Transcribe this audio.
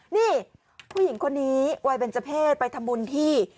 นี่ผู้หญิงคนนี้วัยเบนเจอร์เพศไปทำบุญที่